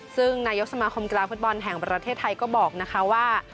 ซึ่งนายกสมาคมกีฬาฟุตบอลแห่งประเทศไทยก็บอกนะคะว่า